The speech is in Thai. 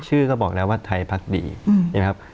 ชื่อก็บอกแล้วว่าไทยพักดีใช่ไหมครับ